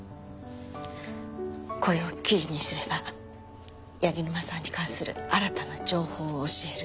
これを記事にすれば柳沼さんに関する新たな情報を教える。